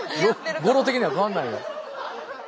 語呂的には変わんないね。